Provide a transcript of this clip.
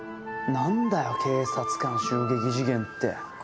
なんだよ、警察官襲撃事件って。